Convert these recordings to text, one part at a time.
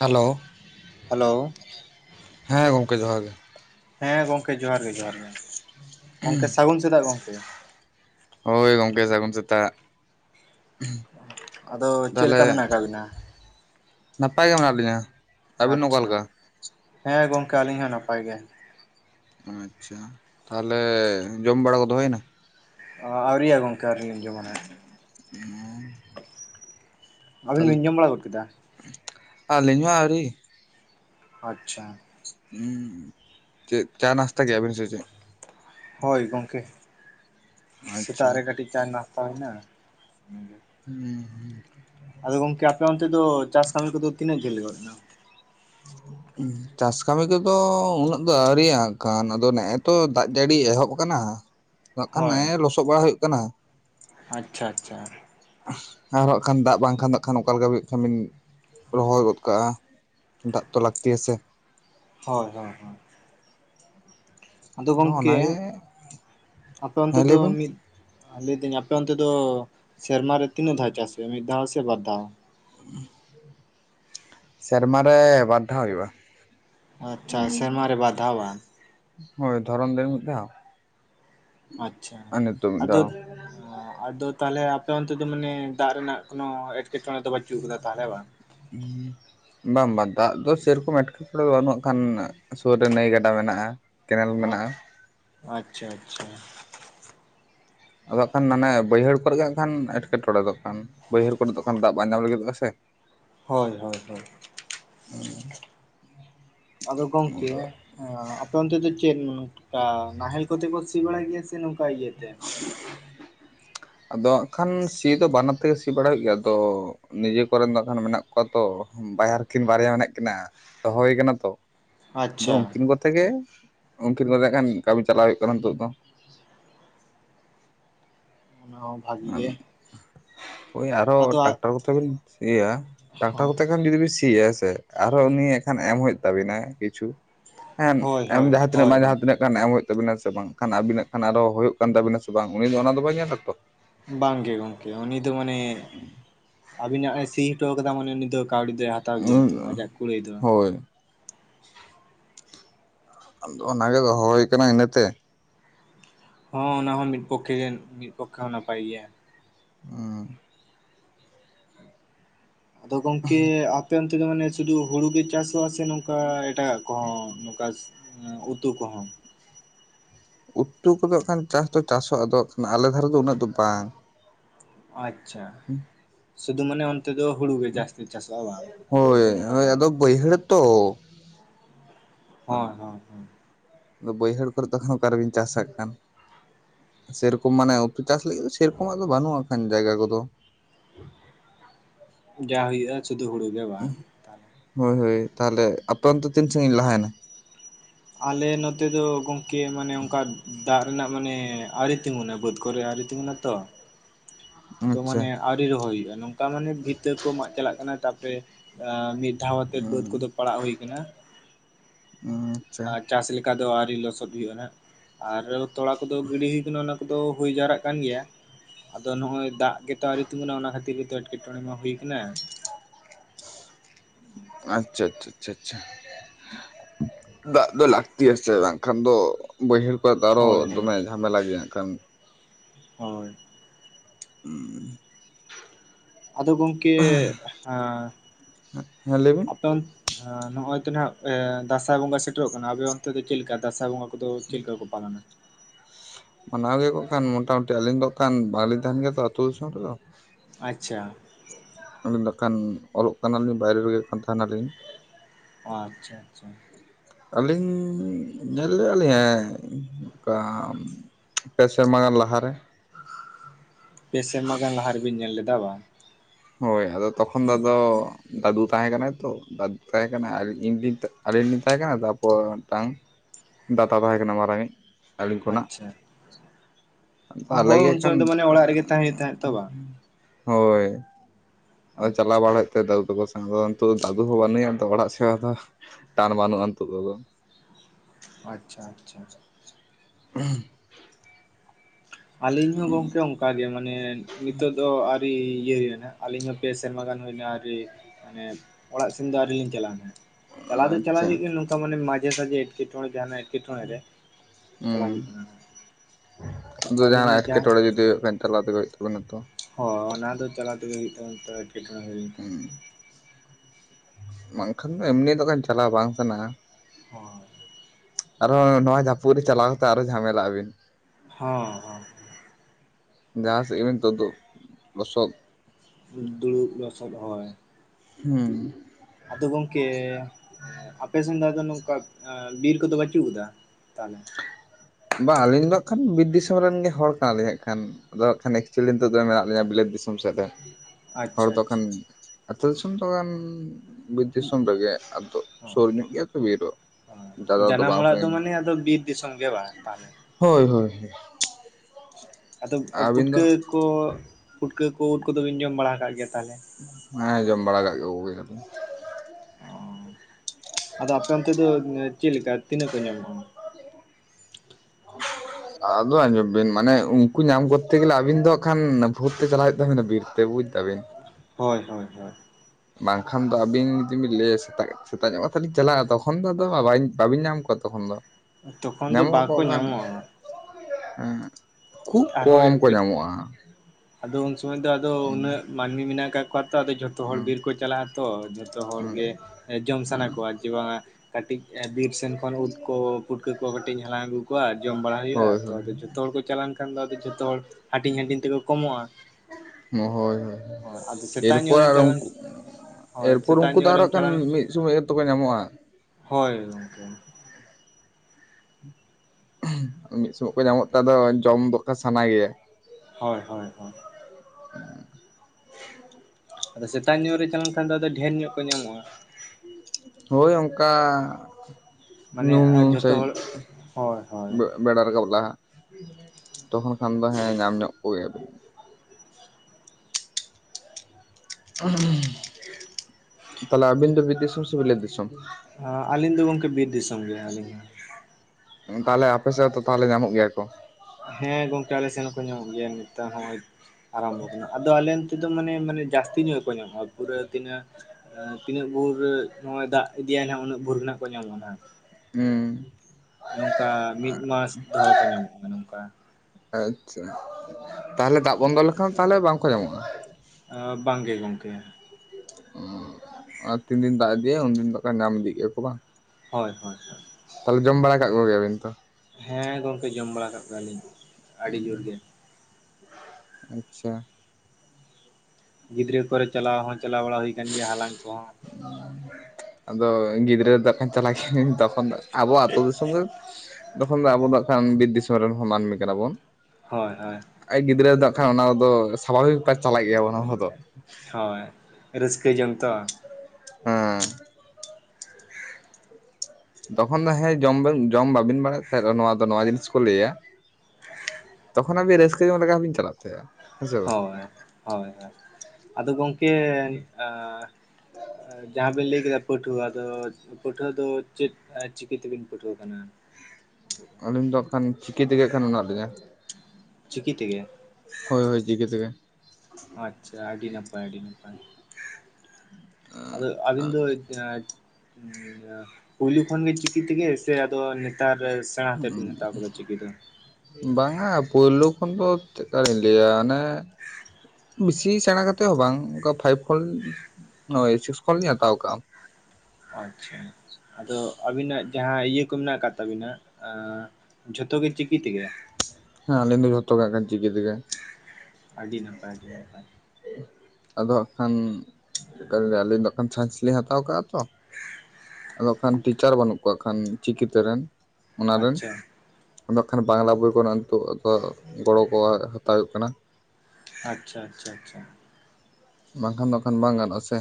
Hello hello ᱦᱮᱸ ᱜᱚᱢᱠᱮ ᱡᱚᱦᱟᱨ ᱜᱮ ᱦᱮᱸ ᱜᱚᱢᱠᱮ ᱡᱚᱦᱟᱨ ᱜᱮ ᱡᱚᱦᱟᱨ ᱜᱮ ᱜᱚᱢᱠᱮ ᱥᱟᱹᱜᱩᱱ ᱥᱮᱛᱟᱜ ᱜᱚᱢᱠᱮ ᱦᱳᱭ ᱜᱚᱝᱠᱮ ᱥᱟ. ᱜᱩᱱ ᱥᱮᱛᱟᱜ ᱟᱫᱚ ᱪᱮᱫᱮ ᱞᱮᱠᱟ ᱢᱮᱱᱟᱜ ᱛᱟᱦᱚᱞᱮ ᱟᱠᱟᱫ ᱵᱤᱱᱟ ᱱᱟᱯᱟᱭ ᱜᱮ ᱢᱮᱱᱟᱜ ᱞᱤᱧᱟ ᱟᱪᱪᱷᱟ ᱦᱮᱸ ᱜᱚᱝᱠᱮ ᱟᱹᱞᱤᱧ ᱦᱚᱸ ᱱᱟᱯᱟᱭ ᱜᱮ ᱟᱪᱪᱷᱟ ᱛᱟᱦᱚᱞᱮ ᱡᱚᱢ ᱵᱟᱲᱟ ᱠᱚ ᱫᱚ ᱦᱚᱭᱱᱟ ᱚᱻ ᱟᱹᱣᱨᱤᱭᱟ ᱜᱚᱢᱠᱮ ᱟᱹᱣᱨᱤ ᱞᱤᱧ ᱡᱚᱢᱟ ᱟᱨ ᱟᱹᱵᱤᱱ ᱵᱤᱱ ᱡᱚᱢ ᱵᱟᱲᱟ ᱜᱚᱫ ᱠᱮᱫᱟ ᱟᱹᱞᱤᱮᱧ ᱢᱟ ᱟᱹᱣᱨᱤ ᱟᱪᱪᱷᱟ ᱦᱩᱸ ᱪᱮᱫ ᱪᱟ ᱱᱟᱥᱛᱟ ᱠᱮᱫ ᱟᱵᱤᱱ ᱥᱮ ᱪᱮᱫ ᱦᱳᱭ ᱜᱚᱝᱠᱮ ᱟᱪᱪᱷᱟ ᱥᱮᱛᱟᱜ ᱨᱮ ᱠᱟᱹᱴᱤᱡ ᱪᱟ ᱱᱟᱥᱛᱟ ᱦᱩᱭᱱᱟ ᱦᱮᱸ ᱦᱮᱸ ᱟᱫᱚ ᱜᱚᱝᱠᱮ ᱟᱯᱮ ᱚᱱᱛᱮ ᱫᱚ ᱪᱟᱥ ᱠᱟᱹᱢᱤ ᱠᱚᱫᱚ ᱛᱤᱱᱟᱹᱜ ᱡᱷᱟᱹᱞ ᱜᱚᱫ ᱮᱱᱟ ᱦᱩᱸ ᱪᱟᱥ ᱠᱟᱹᱢᱤ ᱠᱚᱫᱚᱻ ᱩᱱᱟᱹᱜ ᱫᱚ ᱟᱹᱣᱨᱤᱭᱟᱜ -ᱟ ᱦᱟᱜ ᱠᱷᱟᱱ ᱟᱫᱚ ᱱᱮᱜᱚᱭ ᱛᱚ ᱫᱟᱜ ᱡᱟᱹᱲᱤ ᱮᱦᱚᱵ ᱠᱟᱱᱟ ᱱᱟᱜ ᱠᱷᱟᱱ ᱦᱳᱭ ᱱᱮᱜᱼᱮ ᱞᱚᱥᱚᱫ ᱵᱟᱲᱟ ᱦᱩᱭᱩᱜ ᱠᱟᱱᱟ ᱟᱪᱪᱷᱟ ᱟᱪᱪᱷᱟ ᱟᱨᱚᱸ ᱦᱟᱜ ᱠᱷᱟᱱ ᱫᱟᱜ ᱵᱟᱝᱠᱷᱟᱱ ᱫᱚ ᱠᱷᱟᱱ ᱚᱠᱟ ᱠᱷᱟᱱ ᱵᱤᱱ ᱨᱚᱦᱚᱭ ᱜᱚᱫ ᱠᱟᱜᱼᱟ ᱫᱟᱜ ᱛᱚ ᱞᱟᱹᱠᱛᱤᱭᱟ ᱥᱮ ᱦᱳᱭ ᱦᱳᱭ ᱦᱳᱭ ᱟᱫᱚ ᱜᱚᱝᱠᱮ, ᱟᱯᱮ ᱚᱱᱛᱮ ᱦᱮᱸ ᱞᱟᱹᱭ ᱫᱚ ᱵᱤᱱ ᱢᱤᱫ ᱞᱟᱹᱭᱫᱟᱹᱧ ᱟᱯᱮ ᱚᱱᱛᱮ ᱫᱚ ᱥᱮᱨᱢᱟᱨᱮ ᱛᱤᱱᱟᱹᱜ ᱫᱷᱟᱣ ᱪᱟᱥ ᱦᱩᱭᱩᱜᱼᱟ ᱢᱤᱫ ᱫᱷᱟᱣ ᱥᱮ ᱵᱟᱨ ᱫᱷᱟᱣ [inaudible] ᱥᱮᱨᱢᱟᱨᱮ ᱵᱟᱨᱫᱷᱟᱣ ᱦᱩᱭᱩᱜ -ᱟ ᱟᱪᱪᱷᱟ ᱥᱮᱨᱢᱟᱨ ᱨᱮ ᱵᱟᱫᱷᱟᱣ ᱵᱟ ᱦᱳᱭ ᱫᱷᱚᱨᱚᱱ ᱫ ᱢᱤᱫ ᱫᱷᱟᱣ [unintelligible] ᱟᱪᱷᱟ ᱟᱨ ᱱᱤᱛᱚᱜ ᱢᱤᱫ ᱟᱫᱚ ᱫᱷᱟᱣ ᱟᱫᱚ ᱛᱟᱦᱚᱞᱮ ᱟᱯᱮ ᱚᱱᱛᱮ ᱫᱚ ᱢᱟᱱᱮ ᱫᱟᱜ ᱨᱮᱱᱟᱜ ᱠᱳᱱᱚ ᱮᱴᱠᱮᱴᱚᱬᱮ ᱫᱚ ᱵᱟᱹᱪᱩᱜ ᱟᱠᱟᱫᱟ ᱛᱟᱦᱚᱞᱮ ᱵᱟᱝ [inaudible] ᱵᱟᱝ ᱵᱟᱝ ᱫᱟᱜ ᱫᱚ ᱥᱮᱨᱚᱠᱚᱢ ᱮᱴᱠᱮᱴᱚᱬᱮ ᱫᱚ ᱵᱟᱹᱱᱩᱜ ᱠᱷᱟᱱ ᱥᱩᱨ ᱨᱮ ᱱᱟᱹᱭ ᱜᱟᱰᱟ ᱢᱮᱱᱟᱜᱼᱟ ᱠᱮᱱᱮᱞ ᱢᱮᱱᱟᱜᱼᱟ ᱟᱪᱪᱷᱟ ᱟᱪᱪᱷᱟ ᱟᱫᱚ ᱦᱟᱜ ᱠᱷᱟᱱ ᱢᱟᱱᱮ ᱵᱟᱹᱭᱦᱟᱹᱲ ᱠᱚᱨᱮ ᱜᱮ ᱦᱟᱸᱜ ᱠᱷᱟᱱ ᱮᱸᱴᱠᱮᱴᱚᱬᱮ ᱫᱚ ᱠᱷᱟᱱ ᱵᱟᱹᱭᱦᱟᱹᱲ ᱠᱚᱨᱮ ᱱᱤᱛᱚᱜ ᱠᱷᱟᱱ ᱫᱟᱜ ᱵᱟᱝ ᱧᱟᱢ ᱞᱟᱹᱜᱤᱫᱚᱜᱼᱟ ᱠᱟᱱᱟ ᱥᱮ ᱦᱳᱭ ᱦᱳᱭ ᱦᱳᱭ ᱩ ᱟᱫᱚ ᱜᱚᱝᱠᱮ ᱮᱻ ᱟᱯᱮ ᱚᱱᱛᱮ ᱫᱚ ᱪᱮᱫ ᱱᱚᱝᱠᱟ ᱱᱟᱦᱮᱞ ᱠᱚᱛᱮ ᱠᱚ ᱥᱤ ᱵᱟᱲᱟᱭ ᱜᱮᱭᱟ ᱥᱮ ᱱᱚᱝᱠᱟ ᱤᱭᱟᱹᱛᱮ᱾ ᱟᱫᱚ ᱦᱟᱸᱜ ᱠᱷᱟᱱ ᱥᱤ ᱫᱚ ᱵᱟᱱᱟᱨ ᱛᱮᱜᱮ ᱥᱤ ᱵᱟᱲᱟᱭ ᱦᱩᱭᱩᱜ ᱜᱮᱭᱟ ᱟᱫᱚ ᱱᱤᱡᱮ ᱠᱚᱨᱮᱱ ᱫᱚ ᱢᱮᱱᱟᱜ ᱠᱚ ᱚ ᱛᱚ ᱵᱟᱨᱦᱟᱨ ᱠᱤᱱ ᱵᱟᱨᱭᱟ ᱢᱮᱱᱟᱜ ᱠᱤᱱᱟᱹ ᱫᱚᱦᱚ ᱦᱩᱭ ᱠᱟᱱᱟ ᱛᱚ᱾ ᱟᱫᱚ ᱟᱪᱪᱷᱟ ᱩᱱᱠᱤᱱ ᱠᱚᱛᱮ ᱜᱮ ᱩᱱᱠᱤᱱ ᱠᱚᱛᱮ ᱦᱟ ᱠᱷᱟᱱ ᱠᱟᱹᱢᱤ ᱪᱟᱞᱟᱣ ᱦᱩᱭᱩᱜ ᱠᱟᱱᱟ ᱱᱤᱛᱳᱜ ᱫᱚ [unintelligible] ᱳᱭ ᱟᱨᱦᱚᱸ ᱟᱫᱚ ᱴᱟᱠᱴᱟᱨ ᱠᱚᱛᱮ ᱵᱤᱱ ᱤᱭᱟᱹᱤᱭᱟ ᱴᱟᱠᱴᱟᱨ ᱠᱚᱛᱮ ᱡᱩᱫᱤ ᱵᱤᱱ ᱥᱤᱭᱟ ᱦᱮᱸ ᱥᱮ ᱟᱨᱦᱚᱸ ᱩᱱᱤ ᱮᱠᱷᱟᱱ ᱮᱢ ᱦᱩᱭᱩᱜ ᱛᱟᱵᱤᱱᱟ᱾ ᱠᱤᱪᱷᱩ ᱦᱮᱸ ᱦᱳᱭ ᱮᱢ ᱦᱳᱭ ᱡᱟᱦᱟᱸ ᱛᱤᱱᱟᱹᱜ ᱦᱳᱭ ᱵᱟᱝ ᱡᱟᱦᱟᱸ ᱜᱚᱝᱠᱮ ᱛᱤᱱᱟᱹᱜ ᱠᱷᱟᱱ ᱮᱢ ᱦᱩᱭᱩᱜ ᱛᱟᱵᱤᱱᱟ ᱥᱮ ᱵᱟᱝᱠᱷᱟᱱ ᱟᱵᱤᱱᱟᱜ ᱠᱷᱟᱱ ᱟᱨᱦᱚ ᱦᱩᱭᱩᱜ ᱠᱟᱱ ᱛᱟᱵᱤᱱᱟ ᱥᱮ ᱵᱟᱝ ᱩᱱᱤ ᱫᱚ ᱚᱱᱟ ᱫᱚ ᱵᱟᱭ ᱧᱮᱞ ᱞᱟᱛᱚ ᱵᱟᱝᱜᱮ ᱜᱚᱢᱠᱮ ᱩᱱᱤ ᱫᱚ ᱢᱟᱱᱮ᱾ ᱟᱵᱤᱱᱟᱜ ᱮ ᱥᱤ ᱦᱚᱴᱚ ᱠᱟᱫᱟ ᱢᱟᱱᱮ ᱩᱱᱤ ᱫᱚ ᱠᱟᱹᱣᱰᱤ ᱫᱚᱭ ᱦᱟᱛᱟᱣ ᱜᱮᱭᱟ ᱛᱚ ᱟᱡᱟᱜ ᱠᱩᱲᱟᱹᱭ ᱫᱚ ᱦᱳᱭ ᱟᱫᱚ ᱚᱱᱟᱜᱮ ᱫᱚᱦᱚ ᱦᱩᱭᱠ ᱤᱱᱟᱹᱛᱮ ᱦᱚᱸ ᱚᱱᱟ ᱦᱚᱸ ᱢᱤᱫ ᱯᱚᱠᱷᱮ ᱜᱮ ᱢᱤᱫ ᱯᱚᱠᱷᱮ ᱦᱚᱸ ᱱᱟᱯᱟᱭ ᱜᱮᱭᱟ᱾ ᱚᱻ ᱟᱫᱚ ᱜᱚᱢᱠᱮ ᱟ ᱚᱱᱛᱮ ᱫᱚ ᱢᱟᱱᱮ ᱥᱩᱫᱷᱩ ᱦᱩᱲᱩ ᱜᱮ ᱪᱟᱥᱚᱜ-ᱟ ᱥᱮ ᱱᱚᱝᱠᱟ ᱮᱴᱟᱜ ᱠᱚᱦᱚᱸ ᱱᱚᱝᱠᱟ ᱩᱛᱩ ᱠᱚᱦᱚᱸ ᱩᱛᱩ ᱠᱚᱫᱚᱜ ᱠᱷᱟᱱ ᱪᱟᱥ ᱫᱚ ᱪᱟᱥᱚᱜ ᱟᱫᱚ ᱦᱟ ᱟᱞᱮ ᱫᱷᱟᱨᱮ ᱫᱚ ᱩᱱᱟᱹᱜ ᱫᱚ ᱵᱟᱝ᱾ ᱟᱪᱷᱟ [unintelligible] ᱥᱩᱫᱩ ᱢᱟᱱᱮ ᱚᱱᱛᱮ ᱫᱚ ᱦᱩᱲᱩ ᱜᱮ ᱡᱟᱹᱟᱥᱛᱤ ᱪᱟᱥ ᱵᱟᱝ ᱦᱳᱭ ᱳᱭ ᱟᱫᱚ ᱵᱟᱹᱭᱦᱟᱹᱲ ᱛᱚ ᱦᱳᱭ ᱦᱳᱭ ᱦᱳᱭ ᱵᱟᱹᱭᱦᱟᱹᱲ ᱠᱚᱨᱮ ᱛᱚᱠᱷᱚᱱ ᱚᱠᱟᱨᱮᱵᱤᱱ ᱪᱟᱥᱟᱜ ᱠᱟᱱ ᱥᱮᱨᱚᱠᱚᱢ ᱢᱟᱱᱮ ᱩᱛᱩ ᱪᱟᱥ ᱞᱟᱹᱜᱤᱫ ᱫᱚ ᱪᱮᱫ ᱥᱮᱨᱚᱠᱚᱢᱟᱜ ᱫᱚ ᱵᱟᱹᱱᱩᱜ-ᱟᱱ ᱠᱷᱟᱱ ᱡᱟᱭᱜᱟ ᱠᱚᱫᱚ᱾ ᱡᱟ ᱦᱩᱭᱩᱜ-ᱟ ᱥᱩᱫᱩ ᱦᱩᱲᱩ ᱜᱮ ᱵᱟᱝ? ᱦᱳᱭ ᱦᱳᱭ ᱛᱟᱦᱚᱞᱮ ᱟᱯᱟᱱᱛᱚ ᱛᱤᱱ ᱥᱤᱜᱤᱧ ᱞᱟᱦᱟ ᱭᱮᱱᱟ᱾ ᱟᱞᱮ ᱱᱚᱛᱮ ᱫᱚ ᱜᱚᱝᱠᱮ ᱢᱟᱱᱮ ᱚᱱᱠᱟ ᱫᱟᱜ ᱨᱮᱱᱟᱜ ᱢᱟᱱᱮ ᱟᱹᱨᱤ ᱛᱤᱸᱜᱩᱱᱟ ᱵᱟᱹᱫᱽ ᱠᱚᱨᱮ ᱟᱹᱨᱤ ᱛᱤᱜᱩᱱᱟᱛᱚ ᱛᱚ ᱟᱪᱪᱷᱟ ᱢᱟᱱᱮ ᱟᱹᱣᱨᱤ ᱨᱚᱦᱚᱭ ᱦᱩᱭᱩᱜ-ᱟ ᱱᱚᱝᱠᱟ ᱢᱟᱱᱮ ᱵᱷᱤᱛᱟᱹ ᱠᱚ ᱢᱟᱜ ᱪᱟᱞᱟᱜ ᱠᱟᱱᱟ ᱛᱟᱨᱯᱚᱨᱮ ᱢᱤᱫ ᱫᱷᱟᱣ ᱟᱛᱮᱫ ᱵᱟᱹᱫ ᱠᱚᱫᱚ ᱯᱟᱲᱟᱜ ᱦᱩᱭ ᱟᱠᱟᱱᱟ᱾ [unintelligible] ᱟᱨ ᱪᱟᱥ ᱞᱮᱠᱟ ᱫᱚ ᱟᱹᱣᱨᱤ ᱞᱚᱥᱚᱫ ᱦᱩᱭᱩᱜᱭ-ᱟ ᱱᱟᱜ᱾ ᱟᱨ ᱛᱚᱲᱟ ᱠᱚᱫᱚ ᱜᱤᱰᱤ ᱦᱩᱭ ᱟᱠᱟᱱᱟ ᱚᱱᱟ ᱠᱚ ᱠᱚᱫᱚ ᱦᱩᱭ ᱡᱟᱣᱨᱟᱜ ᱠᱟᱱ ᱜᱮᱭᱟ᱾ ᱟᱫᱚ ᱱᱚᱜᱚᱭ ᱫᱟᱜ ᱜᱮᱛᱚ ᱟᱣᱨᱤ ᱛᱩᱜᱩᱸᱱᱟ ᱚᱱᱟ ᱠᱷᱟᱹᱛᱤᱨ ᱜᱮᱛᱚ ᱮᱴᱠᱮᱴᱚᱬᱮ ᱢᱟ ᱦᱩᱭᱩ ᱟᱠᱟᱱᱟ [inaudible] ᱟᱪᱷᱟ ᱟᱪᱷᱟ ᱟᱪᱷᱟ᱾ ᱫᱟᱜ ᱫᱚ ᱞᱟᱹᱠᱛᱤᱭᱟ ᱥᱮ ᱵᱟᱝᱠᱷᱟᱱ ᱫᱚ᱾ ᱵᱟᱹᱭᱦᱟᱹᱲ ᱠᱚᱣᱟᱜ ᱫᱚ ᱟᱨᱚ ᱦᱳᱭ ᱦᱳᱭ ᱫᱚᱢᱮ ᱡᱷᱟᱢᱮᱞᱟ ᱜᱮᱭᱟ ᱦᱟᱸᱜ ᱠᱷᱟᱱ ᱦᱳᱭ [unintelligible] ᱟᱫᱚ ᱜᱚᱝᱠᱮ ᱮᱻ ᱦᱮᱸ ᱞᱟᱹᱭ ᱵᱤᱱ ᱟᱯᱮ ᱱᱚᱜᱚᱭ ᱛᱚᱦᱱᱟᱜ ᱮ ᱫᱟᱸᱥᱟᱭ ᱵᱚᱸᱜᱟ ᱥᱮᱴᱮᱨᱚᱜ ᱠᱟᱱᱟ ᱟᱵᱮ ᱚᱱᱛᱮ ᱫᱚ ᱪᱮᱫᱮᱠᱟ ᱫᱟᱸᱥᱟᱭ ᱵᱚᱸᱜᱟ ᱠᱚᱫᱚ ᱪᱮᱫᱠᱟ ᱠᱚ ᱯᱟᱞᱚᱱ ᱢᱟᱱᱟᱣ ᱜᱮ ᱠᱚᱜ ᱠᱷᱟᱱ ᱢᱳᱚᱴᱟᱢᱩᱴᱤ ᱟᱹᱞᱤᱧ ᱫᱚᱜ ᱠᱷᱟᱱ ᱵᱟᱝᱞᱤᱧ ᱛᱟᱦᱮᱱ ᱜᱮᱭᱟ ᱛᱚ ᱟ ᱟᱹᱛᱩ ᱫᱤᱥᱚᱢ ᱨᱮᱫᱚ᱾ ᱟᱪᱷᱟ ᱟᱹᱞᱤᱧ ᱫᱚᱠᱷᱟᱱ ᱚᱞᱚᱜ ᱠᱟᱱᱟᱞᱤᱧ ᱵᱟᱭᱨᱮ ᱨᱮᱜᱮ ᱠᱟᱱ ᱛᱟᱦᱮᱱᱟᱞᱤᱧ ᱟᱪᱪᱷᱟ ᱟᱪᱪᱷᱟ ᱟᱹᱞᱤᱧ ᱧᱮᱞ ᱞᱮᱫᱼᱟ ᱞᱤᱧ ᱦᱮᱸ ᱚᱱᱠᱟ ᱯᱮ ᱥᱮᱨᱢᱟ ᱜᱟᱱ ᱞᱟᱦᱟᱨᱮ ᱯᱮ ᱥᱮᱨᱢᱟ ᱜᱟᱱ ᱞᱟᱦᱟ ᱨᱮᱵᱮᱱ ᱧᱮᱞ ᱞᱮᱫᱟ ᱦᱮ ᱵᱟᱝ ᱦᱳᱭ ᱟᱫᱚ ᱛᱚᱠᱷᱚᱱ ᱫᱚ ᱟᱫᱚ ᱫᱟᱫᱩ ᱛᱟᱦᱮᱸ ᱠᱟᱱᱟᱭ ᱛᱚ ᱫᱟᱫᱩ ᱛᱟᱦᱮᱸ ᱠᱟᱱᱟᱭ ᱟᱹᱞᱤᱧ ᱞᱤᱧ ᱛᱟᱦᱮᱸ ᱠᱟᱱᱟ ᱛᱟᱨᱯᱚᱨ ᱢᱤᱫᱴᱟᱝ ᱫᱟᱛᱟ ᱛᱟᱦᱮᱸ ᱠᱟᱱᱟ ᱢᱟᱨᱟᱝᱤᱡ ᱟᱹᱞᱤᱧ ᱠᱷᱚᱱᱟᱜ ᱟᱪᱪᱷᱟ ᱟᱞᱮ ᱦᱳᱭ ᱜᱮ ᱩᱱ ᱠᱷᱟᱱ ᱥᱚᱢᱚᱭ ᱫᱚ ᱢᱟᱱᱮ ᱚᱲᱟᱜ ᱨᱮᱜᱮ ᱛᱟᱦᱮᱸ ᱦᱩᱭᱩᱜ ᱛᱟᱦᱮᱸᱫ ᱛᱚ ᱵᱟᱝ ᱦᱳᱭ ᱟᱫᱚ ᱪᱟᱞᱟᱣ ᱟᱪᱪᱷᱟ ᱵᱟᱲᱟ ᱦᱩᱭᱩᱜ ᱛᱟᱦᱮᱫ ᱫᱟᱫᱩ ᱛᱟᱠᱚ ᱥᱮᱱ ᱟᱫᱚ ᱱᱤᱛᱚᱜ ᱫᱚ ᱫᱟᱫᱩ ᱦᱚᱸ ᱵᱟᱹᱱᱩᱭᱟ ᱛᱚ ᱚᱲᱟᱜ ᱥᱮᱫ ᱴᱟᱱ ᱵᱟᱹᱱᱩᱜᱼᱟ ᱱᱤᱛᱚᱜ ᱫᱚ ᱟᱪᱪᱷᱟ ᱟᱪᱪᱷᱟ ᱦᱩᱸ ᱟᱹᱞᱤᱧ ᱦᱚᱸ ᱜᱚᱝᱠᱮ ᱚᱱᱠᱟ ᱜᱮ ᱢᱟᱱᱮ ᱱᱤᱛᱚᱜ ᱫᱚ ᱟᱨ ᱤᱭᱟᱹᱱᱟ ᱟᱹᱞᱤᱧ ᱦᱚᱸ ᱯᱮ ᱥᱮᱨᱢᱟ ᱜᱟᱱ ᱦᱩᱭᱱᱟ ᱟ. ᱣᱨᱤ ᱢᱟᱱᱮ ᱚᱲᱟᱜ ᱥᱮᱱ ᱫᱚ ᱟᱹᱣᱨᱤ ᱞᱤᱧ ᱪᱟᱞᱟᱜᱼᱟ ᱪᱟᱞᱟᱣ ᱫᱚ ᱪᱟᱞᱟᱜ ᱟᱪᱪᱷᱟ ᱦᱩᱭᱩᱜ ᱜᱮᱭᱟ ᱵ ᱱᱚᱝᱠᱟ ᱢᱟᱱᱮ ᱢᱟᱡᱷᱮ ᱥᱟᱡᱷᱮ ᱮᱴᱠᱮᱴᱚᱬᱮ ᱡᱟᱦᱱᱟᱜ ᱮᱴᱠᱮ ᱮᱴᱠᱮ-ᱴᱚᱲᱮ ᱨᱮ ᱪᱟᱞᱟᱣ ᱦᱩᱭᱩᱜ ᱦᱩᱸ ᱠᱟᱱᱟ᱾ ᱟᱫᱚ ᱟᱹᱞᱤᱧ ᱡᱟᱦᱟᱱᱟᱜ ᱦᱚᱸ ᱡᱟᱦᱟᱸ ᱮᱴᱠᱮ-ᱴᱚᱲᱮ ᱡᱩᱫᱤ ᱦᱩᱭᱩᱜ [unintelligible] ᱛᱟᱞᱟ ᱛᱮᱜᱮ ᱦᱩᱭᱩᱜ ᱛᱟᱵᱚᱱᱟ ᱛᱚ ᱦᱳᱭ ᱚᱱᱟ ᱫᱚ ᱪᱟᱞᱟᱣ ᱛᱮᱜᱮ ᱦᱩᱭᱩᱜ ᱛᱟᱵᱚᱱᱟ ᱛᱚ ᱮᱴᱠᱮᱴᱚᱬᱮ ᱦᱩᱭ ᱞᱮᱱᱠᱷᱟᱱ ᱦᱩᱸ ᱵᱟᱝᱠᱷᱟᱱ ᱫᱚ ᱮᱢᱱᱤ ᱫᱚᱠᱟᱱ ᱪᱟᱞᱟᱣ ᱵᱟᱝ ᱥᱟᱱᱟᱦᱟ ᱦᱳᱭᱻᱻ ᱟᱨᱚ ᱱᱚᱣᱟ ᱡᱟᱹᱯᱩᱫ ᱨᱮ ᱪᱟᱞᱟᱣ ᱠᱟᱛᱮ ᱟᱨᱚ ᱡᱷᱟᱢᱮᱞᱟᱜ ᱟᱵᱤᱱ ᱦᱚᱸ ᱦᱚᱸ ᱡᱟᱦᱟᱸ ᱥᱮᱫ ᱜᱮ ᱵᱤᱱ ᱛᱳᱫᱳᱜ ᱞᱚᱥᱚᱫ ᱫᱩᱲᱩᱵ ᱨᱚᱥᱚᱫ ᱦᱚᱭ ᱦᱩᱸ ᱟᱫᱚ ᱜᱚᱝᱠᱮ ᱟᱯᱮ ᱥᱮᱱ ᱫᱚ ᱟᱫᱚ ᱱᱚᱝᱠᱟ ᱟᱻᱨ ᱵᱤᱨ ᱠᱚᱫᱚ ᱵᱟᱪᱩᱜ ᱮᱫᱟ ᱛᱟᱦᱞᱮ ᱵᱟᱝ ᱟᱹᱞᱤᱧ ᱫᱚ [unintelligible] ᱠᱷᱟᱱ ᱵᱤᱨ ᱫᱤᱥᱚᱢ ᱨᱮᱱ ᱜᱮ ᱦᱚᱲ ᱠᱟᱱᱟ ᱞᱤᱧ ᱦᱟᱸᱜ ᱠᱷᱟᱱ ᱟᱫᱚ ᱦᱟᱜ ᱠᱷᱟᱱ ᱮᱠᱪᱩᱭᱮᱞᱤ ᱱᱤᱛᱚᱜ ᱫᱚ ᱢᱮᱱᱟᱜ ᱞᱤᱧᱟ ᱵᱤᱞᱟᱹᱛ ᱫᱤᱥᱚᱢ ᱥᱮᱫ ᱨᱮ ᱦᱚᱭ ᱟᱪᱪᱷᱟ ᱟᱪᱪᱷᱟ ᱫᱚᱠᱷᱟᱱ ᱟᱛᱳ ᱫᱤᱥᱚᱢ ᱫᱚᱠᱷᱟᱱ ᱵᱤᱨ ᱫᱤᱥᱚᱢ ᱨᱮᱜᱮ ᱟᱫᱚ ᱦᱚᱸ ᱥᱩᱨ ᱧᱚᱜ ᱜᱮᱭᱟ ᱛᱚ ᱵᱤᱨ ᱫᱚ ᱡᱟᱫᱟ ᱡᱟᱱᱟᱢ ᱵᱟᱝ ᱚᱲᱟᱜ ᱫᱚ ᱥᱟᱺᱜᱤᱧᱟ ᱢᱟᱱᱮ ᱟᱫᱚ ᱵᱤᱨ ᱫᱤᱥᱚᱢ ᱜᱮ ᱵᱟᱝ ᱛᱟᱦᱚᱞᱮ ᱦᱚᱭ ᱦᱚᱭ ᱦᱮᱸ ᱟᱫᱚ ᱫᱚ ᱯᱩᱴᱠᱟᱹ ᱠᱚ ᱯᱩᱴᱠᱟᱹ ᱠᱚ ᱩᱫ ᱠᱚᱫᱚ ᱵᱤᱱ ᱡᱚᱢ ᱵᱟᱲᱟ ᱟᱠᱟᱫ ᱜᱮᱭᱟ ᱛᱟᱦᱚᱞᱮ ᱦᱮᱸ ᱡᱚᱢ ᱵᱟᱲᱟ ᱠᱟᱜ ᱜᱮ ᱵᱳᱜᱮ ᱠᱟᱛᱮ ᱟᱫᱚ ᱟᱯᱮ ᱚᱱᱛᱮ ᱫᱚ ᱪᱮᱫᱞᱮᱠᱟ ᱛᱤᱱᱟᱹᱜ ᱠᱚ ᱧᱟᱢᱚᱜᱼᱟ [inaudible] ᱟᱫᱚ ᱟᱸᱡᱚᱢ ᱵᱤᱱ ᱢᱟᱱᱮ ᱩᱱᱠᱩ ᱧᱟᱢ ᱠᱚᱛᱮ ᱜᱮᱞᱮ ᱟᱹᱵᱤᱱ ᱫᱚ ᱠᱷᱟᱱ ᱵᱷ [unintelligible] ᱛᱮ ᱪᱟᱞᱟᱣ ᱦᱩᱭᱩᱜ ᱛᱟᱵᱤᱱᱟ ᱵᱤᱨᱛᱮ ᱵᱩᱡᱽ ᱫᱟᱵᱤᱱ ᱦᱚᱭ ᱦᱚᱭ ᱦᱚᱭ ᱵᱟᱝᱠᱷᱟᱱ ᱫᱚ ᱟᱹᱵᱤᱱ ᱡᱩᱫᱤ ᱵᱤᱱ ᱞᱟᱹᱭᱟ ᱥᱮᱛᱟᱜ ᱥᱮᱛᱟᱜ ᱧᱚᱜ ᱠᱟᱛᱮ ᱞᱤᱧ ᱪᱟᱞᱟᱜᱼᱟ ᱛᱚᱠᱷᱚᱱ ᱫᱚ ᱟᱫᱚ ᱵᱟᱹᱵᱤᱱ ᱧᱟᱢ ᱠᱚᱣᱟ ᱛᱚᱠᱷᱚᱱ ᱫᱚ ᱛᱚᱠᱷᱚᱱ ᱫᱚ ᱧᱟᱢᱚᱜ ᱟᱠᱚ ᱵᱟᱠᱚ ᱠᱷᱟᱱ ᱧᱟᱢᱚᱜᱼᱟ ᱦᱩᱸ ᱠᱷᱩᱵ ᱟᱨᱦᱚᱸ ᱠᱚᱢ ᱠᱚ ᱧᱟᱢᱚᱜᱼᱟ ᱟᱫᱚ ᱩᱱ ᱥᱚᱢᱚᱭ ᱫᱚ ᱟᱫᱚ ᱩᱱᱟᱹᱜ ᱢᱟᱹᱱᱢᱤ ᱢᱮᱱᱟᱜ ᱟᱠᱟᱫ ᱠᱚᱣᱟ ᱛᱚ ᱟᱫᱚ ᱡᱚᱛᱚ ᱦᱚᱲ ᱵᱤᱨ ᱠᱚ ᱪᱟᱞᱟᱜᱼᱟ ᱛᱚ ᱡᱚᱛᱚ ᱦᱚᱲ ᱜᱮ ᱡᱚᱢ ᱥᱟᱱᱟ ᱠᱚᱣᱟ ᱡᱮ ᱵᱟᱝᱟ ᱠᱟᱹᱴᱤᱡ ᱮ ᱵᱤᱨ ᱥᱮᱱ ᱠᱷᱚᱱ ᱩᱫ ᱠᱚ ᱯᱩᱴᱠᱟᱹ ᱠᱚ ᱠᱟᱹᱴᱤᱡ ᱤᱧ ᱦᱟᱞᱟᱝ ᱟᱹᱜᱩ ᱠᱚᱣᱟ ᱡᱚᱢ ᱵᱟᱲᱟ ᱦᱩᱭᱩᱜᱼᱟ ᱦᱳᱭ ᱛᱚ ᱦᱳᱭ ᱟᱫᱚ ᱡᱚᱛᱚ ᱦᱚᱲ ᱠᱚ ᱪᱟᱞᱟᱣᱮᱱ ᱠᱷᱟᱱ ᱫᱚ ᱟᱫᱚ ᱡᱚᱛᱚ ᱦᱚᱲ ᱦᱟᱹᱴᱤᱧ ᱦᱟᱹᱴᱤᱧ ᱛᱮᱠᱚ ᱠᱚᱢᱚᱜᱼᱟ᱾ ᱦᱚᱭ ᱦᱚᱭ ᱦᱳᱭ ᱟᱫᱚ ᱥᱮᱛᱟᱜ ᱧᱚᱜ ᱮᱨᱯᱚᱨ ᱨᱮᱢ ᱟᱨ ᱪᱟᱞᱟᱣ ᱩᱱᱠᱩ ᱦᱳᱭ ᱮᱨᱯᱚᱨ ᱥᱮᱛᱟᱜ ᱩᱱᱠᱩ ᱫᱚ ᱧᱚᱜ ᱟᱨ ᱨᱮᱢ ᱟᱜ ᱠᱟᱱ ᱢᱤᱫ [unintelligible] ᱥᱚᱢᱚᱭ ᱛᱚᱠᱚ ᱧᱟᱢᱚᱜᱼᱟ ᱦᱚᱭ ᱜᱚᱢᱠᱮ ᱢᱤᱫ ᱥᱚᱢᱚᱭ ᱠᱚ ᱧᱟᱢᱚᱜ ᱛᱮ ᱟᱫᱚ ᱡᱚᱢ ᱫᱚᱨᱠᱟᱨ ᱥᱟᱱᱟ ᱜᱮᱭᱟ᱾ ᱦᱚᱭ ᱦᱚᱭ ᱦᱚᱭ ᱟᱫᱚ ᱥᱮᱛᱟᱜ ᱧᱚᱜ ᱨᱮ ᱪᱟᱞᱟᱣ ᱞᱮᱱ ᱠᱷᱟᱱ ᱫᱚ ᱟᱫᱚ ᱰᱷᱮᱨ ᱧᱚᱜ ᱠᱚ ᱧᱟᱢᱚᱜᱼᱟ᱾ ᱦᱚᱭ ᱚᱱᱠᱟ ᱢᱟᱱᱮ ᱧᱩᱢ ᱧᱩᱢ ᱡᱚᱛᱚ ᱥᱟᱺᱦᱤᱡ ᱦᱚᱲ ᱦᱚᱭ ᱦᱚᱭ ᱵᱮᱲᱟ ᱨᱟᱠᱟᱵ ᱞᱟᱦᱟ ᱛᱚᱠᱷᱚᱱ ᱠᱷᱟᱱ ᱫᱚ ᱦᱮᱸ ᱧᱟᱢ ᱧᱚᱜ ᱠᱚᱜᱮᱭᱟᱵᱚᱱ ᱛᱟᱦᱚᱞᱮ ᱟᱹᱵᱤᱱ ᱫᱚ ᱵᱤᱨ ᱫᱤᱥᱚᱢ ᱥᱮ ᱵᱤᱞᱟᱹᱛ ᱫᱤᱥᱚᱢ ᱦᱮᱸ ᱟᱹᱞᱤᱧ ᱫᱚ ᱜᱚᱢᱠᱮ ᱵᱤᱨ ᱫᱤᱥᱚᱢ ᱜᱮ ᱟᱹᱞᱤᱧ ᱦᱚᱸ ᱛᱟᱦᱞᱮ ᱟᱯᱮ ᱥᱮᱫ ᱛᱚ ᱛᱟᱦᱞᱮ ᱧᱟᱢᱚᱜ ᱜᱮᱭᱟ ᱠᱚ ᱦᱮᱸ ᱜᱚᱝᱠᱮ ᱟᱞᱮ ᱥᱮᱱ ᱦᱚᱸᱠᱚ ᱧᱟᱢᱚᱜ ᱜᱮᱭᱟ ᱱᱮᱛᱟᱨ ᱦᱚᱸ ᱟᱨ ᱟᱞᱚᱢ ᱵᱷᱟᱵᱽᱱᱟᱜᱼᱟ ᱟᱫᱚ ᱟᱞᱮᱱ ᱛᱚ ᱢᱟᱱᱮ ᱢᱟᱱᱮ ᱡᱟᱹᱥᱛᱤ ᱧᱚᱜ ᱠᱚ ᱧᱟᱢᱚᱜᱼᱟ ᱯᱩᱨᱟᱹ ᱛᱤᱱᱟᱹᱜ ᱛᱤᱱᱟᱹᱜ ᱵᱷᱩᱨ ᱱᱚᱜᱼᱚᱭ ᱫᱟᱜ ᱤᱫᱤᱭᱟᱭ ᱱᱟᱦᱟᱜ ᱩᱱᱟᱹᱜ ᱵᱷᱩᱨ ᱨᱮᱱᱟᱜ ᱠᱚ ᱧᱟᱢᱚᱜᱼᱟ ᱱᱟᱦᱟᱜ ᱦᱩᱸ ᱱᱚᱝᱠᱟ ᱢᱤᱫ ᱢᱟᱥ ᱫᱷᱚᱨᱮ ᱠᱚ ᱧᱟᱢᱚᱜᱼᱟ ᱱᱚᱝᱠᱟ ᱟᱪᱷᱟ ᱛᱟᱦᱞᱮ ᱫᱟᱜ ᱵᱚᱱᱫᱚ ᱞᱮᱠᱷᱟᱱ ᱛᱟᱦᱞᱮ ᱵᱟᱝᱠᱚ ᱧᱟᱢᱚᱜᱼᱟ ᱵᱟᱝᱜᱮ ᱜᱚᱝᱠᱮ ᱟᱨ ᱛᱤᱱ ᱫᱤᱱ ᱫᱟᱜ ᱤᱫᱤᱭᱤᱭ ᱩᱱᱫᱤᱱ ᱫᱚᱠᱷᱟᱱ ᱧᱟᱢ ᱤᱫᱤ ᱜᱮᱭᱟ ᱠᱚ ᱵᱟᱝ ᱦᱳᱭ ᱦᱳᱭ ᱦᱳᱭ ᱛᱟᱦᱞᱮ ᱡᱚᱢ ᱵᱟᱲᱟ ᱠᱟᱜ ᱠᱚᱜᱮᱭᱟᱵᱤᱱ ᱛᱚ ᱦᱮᱸ ᱜᱚᱝᱠᱮ ᱡᱚᱢ ᱵᱟᱲᱟ ᱠᱟᱜ ᱠᱚᱣᱟ ᱞᱤᱧ ᱟᱹᱰᱤ ᱡᱩᱨ ᱜᱮ ᱟᱪᱷᱟ ᱜᱤᱫᱽᱨᱟᱹ ᱠᱚᱨᱮ ᱪᱟᱞᱟᱣ ᱦᱚᱸ ᱪᱟᱞᱟᱣ ᱵᱟᱲᱟ ᱦᱩᱭ ᱟᱠᱟᱱ ᱜᱮᱭᱟ ᱦᱟᱞᱟᱝ ᱠᱚᱦᱚᱸ ᱟᱫᱚ ᱜᱤᱫᱽᱨᱟᱹ [unintelligible] ᱪᱟᱞᱟᱜ [unintelligible] ᱛᱚᱠᱷᱚᱱ ᱫᱚ ᱟᱵᱚ ᱟᱜ ᱟᱹᱛᱩ ᱫᱤᱥᱚᱢ ᱫᱚ [unintelligible] ᱵᱤᱨ ᱫᱤᱥᱚᱢ ᱨᱤᱱ ᱦᱚᱸ ᱢᱟᱹᱱᱢᱤ ᱠᱟᱱᱟ ᱵᱚᱱ ᱦᱚᱭ ᱦᱚᱭ ᱟᱡ ᱜᱤᱫᱽᱨᱟᱹ ᱫᱚ [unintelligible] ᱠᱷᱟᱱ ᱚᱱᱟ ᱫᱚ ᱥᱟᱵᱷᱟᱦᱩᱭᱩᱜ ᱠᱟᱨ ᱪᱟᱞᱟᱜ ᱜᱮᱭᱟ ᱚᱱᱟ ᱠᱩ ᱫᱚ ᱦᱳᱭ ᱨᱟᱹᱥᱠᱟᱹ ᱡᱚᱝ ᱛᱚ ᱦᱚᱸ ᱛᱚᱠᱷᱚᱱ ᱫᱚ ᱦᱮᱸ ᱡᱚᱢ ᱡᱚᱢ ᱵᱟᱵᱤᱱ ᱵᱟᱲᱟᱭᱮᱫ ᱛᱟᱦᱮᱸ ᱱᱚᱣᱟ ᱫᱚ ᱱᱚᱣᱟ ᱡᱤᱱᱤᱥ ᱠᱚ ᱞᱟᱹᱭᱟ ᱛᱚᱠᱷᱚᱱ ᱟᱹᱵᱤᱱ ᱨᱟᱹᱥᱠᱟᱹ ᱡᱚᱝ ᱞᱮ ᱞᱮᱠᱟᱵᱤᱱ ᱪᱟᱞᱟᱜᱼᱟ [unintelligible] ᱦᱮᱸ ᱥᱮ ᱵᱟᱝ ᱦᱳᱭ ᱦᱳᱭ ᱦᱳᱭ ᱟᱫᱚ ᱜᱚᱢᱠᱮ ᱟᱸ ᱡᱟᱦᱟᱸ ᱵᱤᱱ ᱞᱟᱹᱭ ᱠᱮᱫᱟ ᱯᱟᱹᱴᱷᱩᱣᱟᱹ ᱟᱫᱚ ᱯᱟᱹᱴᱷᱣᱟᱹ ᱫᱚ ᱪᱮᱫ ᱪᱤᱠᱤ ᱛᱮᱵᱮᱱ ᱯᱟᱹᱴᱷᱩᱣᱟᱹ ᱠᱟᱱᱟ ᱟᱹᱞᱤᱧ ᱫᱚ ᱦᱟᱸᱜ ᱠᱷᱟᱱ ᱪᱤᱠᱤ ᱛᱮᱜᱮ ᱦᱟᱜ ᱠᱷᱟᱱ ᱢᱮᱱᱟᱜ ᱞᱤᱧᱟᱹ ᱪᱤᱠᱤ ᱛᱮᱜᱮ ᱦᱳᱭ ᱦᱳᱭ ᱪᱤᱠᱤ ᱛᱮᱜᱮ ᱟᱪᱷᱟ ᱟᱹᱰᱤ ᱱᱟᱯᱟᱭ ᱟᱹᱰᱤ ᱱᱟᱯᱟᱭ ᱟᱫᱚ ᱟᱹᱵᱤᱱ ᱫᱚ ᱟᱸ ᱯᱩᱭᱞᱩ ᱠᱷᱚᱱᱜᱮ ᱪᱤᱠᱤ ᱛᱮᱜᱮ ᱥᱮ ᱜᱮ ᱟᱫᱚ ᱱᱮᱛᱟᱨ ᱥᱮᱬᱟ ᱠᱟᱛᱮᱫ ᱦᱩᱸ ᱵᱤᱱ ᱦᱟᱛᱟᱣ ᱠᱟᱫᱟ ᱪᱤᱠᱤ ᱫᱚ ᱩᱸ ᱵᱟᱝᱟ ᱯᱳᱭᱞᱩ ᱠᱷᱚᱱ ᱫᱚ ᱪᱮᱫᱠᱟᱞᱤᱧ ᱞᱟᱹᱭᱟ ᱚᱱᱮ ᱵᱤᱥᱤ ᱥᱮᱬᱟ ᱠᱟᱛᱮᱫ ᱦᱚᱸ ᱵᱟᱝ ᱚᱱᱠᱟ ᱯᱷᱟᱭᱤᱵ ᱠᱷᱚᱱ ᱱᱚᱭ ᱥᱤᱠᱥ ᱠᱷᱚᱱᱞᱤᱧ ᱦᱟᱛᱟᱣ ᱟᱠᱟᱜᱼᱟ ᱟᱪᱷᱟ ᱟᱫᱚ ᱟᱵᱤᱱᱟᱜ ᱡᱟᱦᱟᱸ ᱤᱭᱟᱹ ᱠᱚ ᱢᱮᱱᱟᱜ ᱟᱠᱟᱫ ᱛᱟᱵᱤᱱᱟ ᱡᱷᱚᱛᱚ ᱜᱮ ᱪᱤᱠᱤ ᱛᱮᱜᱮ ᱦᱮᱸ ᱟᱹᱞᱤᱧ ᱫᱚ ᱡᱷᱚᱛᱚ ᱜᱮ ᱦᱟᱜ ᱠᱷᱟᱱ ᱪᱤᱠᱤ ᱛᱮ ᱜᱮ ᱟᱹᱰᱤ ᱱᱟᱯᱟᱭ ᱟᱹᱰᱤ ᱱᱟᱯᱟᱭ ᱟᱫᱚ ᱦᱟᱸ ᱠᱷᱟᱱ ᱪᱮᱫ ᱟᱹᱞᱤᱧ ᱫᱚ ᱦᱟᱜ ᱠᱷᱟᱱ ᱥᱟᱭᱤᱱᱥ ᱞᱤᱧ ᱦᱟᱛᱟᱣ ᱠᱟᱜᱼᱟ ᱛᱚ ᱟᱫᱚ ᱠᱷᱟᱱ ᱴᱤᱪᱟᱨ ᱵᱟᱹᱱᱩᱜ ᱠᱚᱣᱟ ᱠᱷᱟᱱ ᱪᱤᱠᱤᱛᱮ ᱨᱮᱱ ᱚᱱᱟ ᱨᱮᱱ ᱟᱪᱪᱷᱟ ᱟᱫᱚ ᱠᱷᱟᱱ ᱵᱟᱝᱞᱟ ᱵᱳᱭ ᱠᱚᱨᱮᱱᱟᱜ ᱱᱤᱛᱚᱜ ᱜᱚᱲᱚ ᱠᱚ ᱦᱟᱛᱟᱣ ᱦᱩᱭᱩᱜ ᱠᱟᱱᱟ ᱟᱪᱷᱟ ᱟᱪᱷᱟ ᱟᱪᱷᱟ ᱵᱟᱝᱠᱷᱟᱱ ᱱᱚᱝᱠᱟᱱ ᱵᱟᱝ ᱜᱟᱱᱚᱜᱼᱟ ᱥᱮ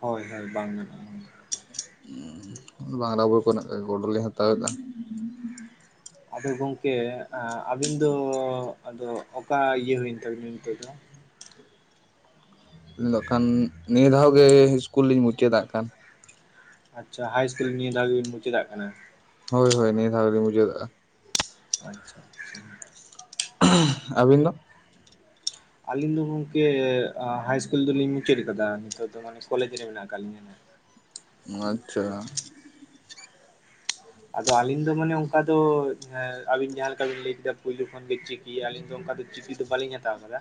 ᱦᱳᱭ ᱦᱳᱭ ᱵᱟᱝ ᱜᱟᱱᱚᱜ ᱟ ᱵᱟᱝᱞᱟ ᱵᱳᱭ ᱠᱚᱨᱮᱱᱟᱜ ᱜᱚᱲᱚᱞᱮ ᱦᱟᱛᱟᱣᱮᱫᱟ ᱟᱫᱚ ᱜᱚᱝᱠᱮ ᱟᱹᱵᱤᱱ ᱫᱚ ᱟᱫᱚ ᱚᱠᱟ ᱤᱭᱟᱹ ᱦᱩᱭᱮᱱ ᱛᱟᱵᱤᱱᱟ ᱱᱤᱛᱚᱜ ᱫᱚ ᱟᱹᱞᱤᱧ ᱫᱚ ᱦᱟᱜ ᱠᱷᱟᱱ ᱱᱤᱭᱟᱹ ᱫᱷᱟᱣ ᱜᱮ ᱤᱥᱠᱩᱞ ᱞᱤᱧ ᱢᱩᱪᱟᱹᱫᱟ ᱦᱟᱜᱠᱟᱱ ᱟᱪᱷᱟ ᱦᱟᱭ ᱤᱥᱠᱩᱞ ᱱᱤᱭᱟᱹ ᱫᱷᱟᱣ ᱜᱮᱵᱤᱱ ᱢᱩᱪᱟᱹᱟᱜ ᱠᱟᱱᱟ ᱦᱳᱭ ᱦᱳᱭ ᱱᱤᱭᱟ. ᱫᱷᱟᱣ ᱜᱮ ᱢᱩᱪᱟ. ᱫᱚᱜ-ᱟ ᱟᱪᱷᱟ ᱟᱹᱵᱤᱱ ᱫᱚ ᱟᱹᱞᱤᱧ ᱫᱚ ᱜᱚᱝᱠᱮ ᱦᱟᱭ ᱤᱥᱠᱩᱞ ᱫᱚᱞᱤᱧ ᱢᱩᱪᱟᱹᱫ ᱟᱠᱟᱫᱟ ᱱᱤᱛᱚᱜ ᱫᱚ ᱢᱟᱱᱮ ᱠᱚᱞᱮᱡᱽ ᱨᱮ ᱢᱮᱱᱟᱜ ᱟᱠᱟᱫ ᱞᱤᱧᱟ ᱦᱟᱜ ᱟᱪᱷᱟ ᱟᱫᱚ ᱟᱹᱞᱤᱧ ᱫᱚ ᱢᱟᱱᱮ ᱚᱱᱠᱟ ᱫᱚ ᱟᱵᱤᱱ ᱡᱟᱦᱟᱸ ᱞᱮᱠᱟ ᱵᱤᱱ ᱞᱟᱹᱭ ᱮᱫᱟ ᱯᱩᱭᱞᱳ ᱠᱷᱚᱱᱜ ᱪᱤᱠᱤ ᱟᱹᱞᱤᱧ ᱫᱚ ᱚᱱᱠᱟ ᱫᱚ ᱪᱤᱠᱤ ᱫᱚ ᱵᱟᱹᱞᱤᱧ ᱦᱟᱛᱟᱣ ᱟᱠᱟᱫᱟ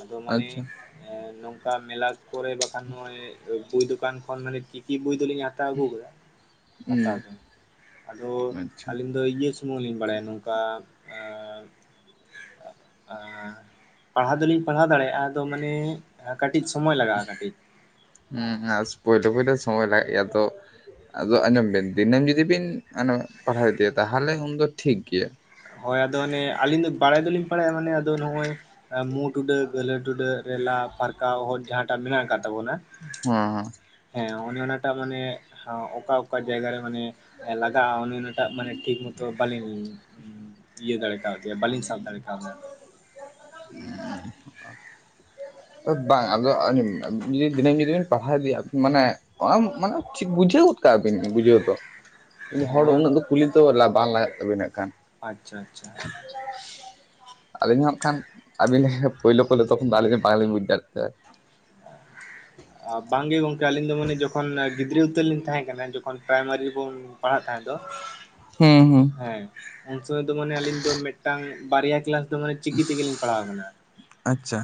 ᱟᱫᱚ ᱢᱟᱱᱮ ᱟᱪᱪᱷᱟ ᱮ ᱱᱚᱝᱠᱟ ᱢᱮᱞᱟ ᱠᱚᱨᱮ ᱵᱟᱠᱷᱟᱱ ᱱᱚ ᱵᱳᱭ ᱫᱚᱠᱟᱱ ᱠᱷᱚᱱ ᱢᱟᱱᱮ ᱪᱤᱠᱤ ᱵᱳᱭ ᱫᱚᱞᱤᱧ ᱦᱟ ᱦᱟᱛᱟᱣ ᱟᱹᱜᱩ ᱠᱮᱫᱟ ᱦᱟᱛᱟᱣ ᱦᱩᱸ ᱫᱚ ᱟᱫᱚ ᱟᱪᱪᱷᱟ ᱟᱹᱞᱤᱧ ᱫᱚ ᱤᱭᱟᱹ ᱥᱩᱢᱩᱝ ᱞᱤᱧ ᱵᱟᱰᱟᱭᱟ ᱱᱚᱝᱠᱟ ᱮ ᱯᱟᱲᱦᱟᱣ ᱫᱚᱞᱤᱧ ᱯᱟᱲᱦᱟᱣ ᱫᱟᱲᱮᱭᱟᱜᱼᱟ ᱟᱫᱚ ᱢᱟᱱᱮ ᱦᱮᱸ ᱠᱟᱹᱴᱤᱡ ᱥᱚᱢᱚᱭ ᱞᱟᱜᱟᱜᱼᱟ ᱠᱟᱹᱴᱤᱡ ᱦᱩᱸ ᱟ ᱯᱳᱭᱞᱳ ᱯᱚᱭᱞᱳ ᱥᱚᱢᱚᱭ ᱞᱟᱜᱟᱭᱟ ᱛᱚ ᱟᱫᱚ ᱟᱸᱡᱚᱢ ᱵᱤᱱ ᱫᱤᱱᱟᱹᱢ ᱡᱩᱫᱤ ᱵᱤᱱ ᱯᱟᱲᱦᱟᱣ ᱤᱫᱤᱭᱟ ᱛᱟᱦᱚᱞᱮ ᱩᱱᱫᱚ ᱴᱷᱤᱠᱜᱮᱭᱟ ᱦᱳᱭ ᱟᱫᱚ ᱚᱱᱮ ᱟᱹᱞᱤᱧ ᱫᱚ ᱵᱟᱲᱟᱭ ᱫᱚᱞᱤᱧ ᱵᱟᱲᱟᱭᱟ ᱢᱟᱱᱮ ᱟᱫᱚ ᱱᱚᱜᱼᱚᱭ ᱢᱩᱸ ᱴᱩᱰᱟᱹᱜ ᱜᱟ. ᱦᱞᱟᱹ ᱴᱩᱰᱟᱹᱜ ᱨᱮᱞᱟ ᱯᱷᱟᱨᱠᱟ ᱚᱦᱚᱫ ᱡᱟᱦᱟᱸᱴᱟᱜ ᱢᱮᱱᱟᱜ ᱟᱠᱟᱫ ᱛᱟᱵᱚᱱᱟ ᱦᱚᱸ ᱦᱸᱚ ᱦᱮᱸ ᱚᱱᱮ ᱚᱱᱟᱴᱟᱜ ᱢᱟᱱᱮ ᱦᱚᱸ ᱚ ᱚᱠᱟ ᱚᱠᱟ ᱡᱟᱭᱜᱟ ᱨᱮ ᱢᱟᱱᱮ ᱞᱟᱜᱟᱣᱜᱼᱟ ᱚᱱᱮ ᱚᱱᱟᱴᱟᱜ ᱢᱟᱱᱮ ᱴᱷᱤᱠ ᱢᱚᱛᱚ ᱵᱟᱞᱤᱧ ᱤᱭᱟᱹ ᱫᱟᱲᱮ ᱠᱟᱣᱜ ᱜᱮᱭᱟ ᱵᱟᱞᱤᱧ ᱥᱟᱯ ᱫᱟᱲᱮ ᱟᱠᱟᱣᱫᱟ ᱵᱟᱝ ᱟᱫᱚ ᱡᱩᱫᱤ ᱫᱤᱱᱟᱹᱢ ᱡᱩᱫᱤᱵᱤᱱ ᱯᱟᱲᱦᱟᱣ ᱤᱫᱤᱭᱟ ᱢᱟᱱᱮ ᱢᱟᱱᱮ ᱵᱩᱡᱷᱟᱹᱣ ᱜᱚᱫ ᱠᱟᱜ ᱟᱵᱤᱱ ᱵᱩᱡᱣ ᱫᱚ ᱦᱚᱲ ᱫᱚ ᱦᱳᱭ ᱩᱱᱟᱹᱜ ᱫᱚ ᱠᱩᱞᱤ ᱛᱚ ᱵᱟᱝ ᱞᱟᱜᱟᱜ ᱛᱟᱵᱤᱱᱟᱜ ᱠᱷᱟᱱ ᱟᱪᱪᱷᱟ ᱟᱪᱪᱷᱟ ᱟᱞᱤᱧ ᱦᱟᱸᱜ ᱠᱷᱟᱱ ᱟᱵᱤᱱ ᱞᱮ ᱯᱩᱭᱞᱩ ᱯᱩᱭᱞᱩ ᱛᱚᱠᱷᱚᱱ ᱫᱚ ᱵᱟᱞᱮ ᱵ ᱰᱟᱠᱛ [unintelligible] ᱵᱟᱝᱜᱮ ᱜᱚᱝᱠᱮ ᱟᱹᱞᱤᱧ ᱫᱚ ᱢᱟᱱᱮ ᱡᱚᱠᱷᱚᱱ ᱜᱤᱫᱽᱨᱟᱹ ᱩᱛᱟᱹᱨ ᱞᱤᱧ ᱛᱟᱦᱮᱸ ᱠᱟᱱᱟ ᱡᱚᱠᱷᱚᱱ ᱯᱨᱟᱭᱢᱟᱨᱤ ᱨᱮᱵᱚᱱ ᱯᱟᱲᱦᱟᱜ ᱛᱟᱦᱮᱸ ᱫᱚ ᱦᱩᱸ ᱦᱩᱸ ᱦᱮᱸ ᱩᱱᱥᱚᱢᱚᱭ ᱫᱚ ᱢᱟᱱᱮ ᱟᱹᱞᱤᱧ ᱫᱚ ᱢᱤᱫᱴᱟᱝ ᱵᱟᱨᱭᱟ ᱠᱮᱞᱟᱥ ᱢᱟᱱᱮ ᱪᱤᱠᱤ ᱛᱮᱜᱮᱞᱤᱧ ᱯᱟᱲᱦᱟᱣ ᱟᱠᱟᱱᱟ ᱟᱪᱪᱷᱟ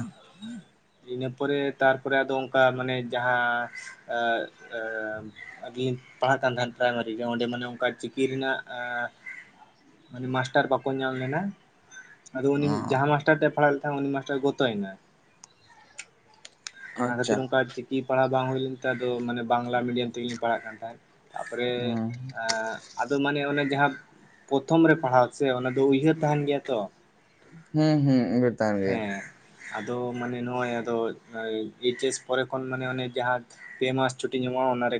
ᱤᱱᱟᱹ ᱯᱚᱨᱮ ᱛᱟᱨᱯᱚᱨᱮ ᱟᱫᱚ ᱚᱱᱠᱟ ᱢᱟᱱᱮ ᱡᱟᱦᱟᱸ [unintelligible] ᱟᱨ ᱞᱤᱧ ᱯᱟᱲᱦᱟᱜ ᱠᱟᱱ ᱛᱟᱦᱮᱸᱱᱟ ᱯᱨᱟᱭᱢᱟᱨᱤ ᱨᱮ ᱚᱸᱰᱮ ᱢᱟᱱᱮ ᱚᱱᱠᱟ ᱪᱤᱠᱤ ᱨᱮᱱᱟᱜ᱾ ᱢᱟᱱᱮ ᱢᱟᱥᱴᱟᱨ ᱵᱟᱠᱚ ᱧᱟᱢ ᱞᱮᱱᱟ ᱟᱫᱚ ᱩᱱᱤ ᱚ ᱡᱟᱦᱟᱸ ᱢᱟᱥᱴᱟᱨ ᱴᱷᱮᱡ ᱯᱟᱲᱦᱟᱣ ᱞᱮᱫ ᱛᱟᱦᱮᱸᱱᱟ ᱩᱱᱤ ᱢᱟᱥ ᱜᱚᱛᱚᱭᱱᱟᱭ ᱚᱱᱟ ᱟᱪᱪᱷᱟ ᱠᱷᱟᱹᱛᱤᱨ ᱚᱱᱠᱟ ᱪᱤᱠᱤ ᱯᱟᱲᱦᱟᱣ ᱵᱟᱝ ᱦᱩᱭ ᱞᱮᱱ ᱛᱟᱦᱮᱸ ᱟᱫᱚ ᱢᱟᱱᱮ ᱵᱟᱝᱞᱟ ᱢᱤᱰᱤᱭᱟᱢ ᱛᱮᱜᱮᱞᱤᱧ ᱯᱟᱲᱦᱟᱜ ᱠᱟᱱ ᱛᱟᱦᱮᱸᱫ ᱛᱟᱯᱚᱨᱮ ᱟᱫᱚ ᱢᱟᱱᱮ ᱚᱱᱮ ᱡᱟᱦᱟᱸ ᱯᱨᱚᱛᱷᱚᱢ ᱨᱮ ᱯᱟᱲᱦᱟᱣ ᱥᱮ ᱚᱱᱟ ᱫᱚ ᱩᱭᱦᱟᱹᱨ ᱛᱟᱦᱮᱱ ᱜᱮᱭᱟ ᱛᱚ ᱦᱩᱸ ᱦᱩᱸ ᱵ [unintelligible] ᱛᱟᱱ ᱜᱮᱭᱟ ᱦᱮᱸ ᱟᱫᱚ ᱢᱟᱱᱮ ᱱᱚᱜᱼᱚᱭ ᱟᱫᱚ ᱮᱭᱤᱪ ᱮᱥ ᱯᱚᱨᱮ ᱠᱷᱚᱱ ᱢᱟᱱᱮ ᱚᱱᱮ ᱡᱟᱦᱟᱸ ᱯᱮ ᱢᱟᱥ ᱪᱷᱩᱴᱤ ᱧᱟᱢᱚᱜᱼᱟ ᱚᱱᱟ